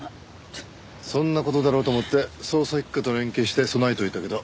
そんな事だろうと思って捜査一課と連携して備えておいたけど。